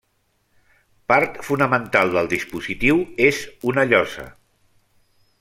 Part fonamental del dispositiu és una llosa.